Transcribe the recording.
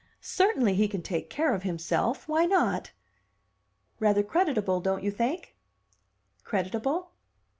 Certainly he can take care of himself. Why not?" "Rather creditable, don't you think?" "Creditable?"